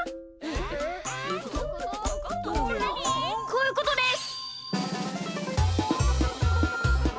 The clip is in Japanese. こういうことです！